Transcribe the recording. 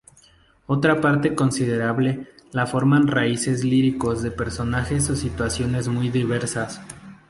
Otra parte considerable la forman romances líricos de personajes o situaciones muy diversas.